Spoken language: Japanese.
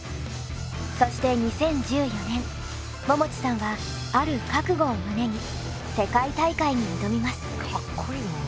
そして２０１４年ももちさんはある覚悟を胸に世界大会に挑みます。